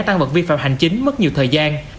tăng vật vi phạm hành chính mất nhiều thời gian